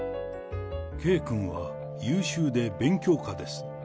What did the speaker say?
圭君は優秀で勉強家です。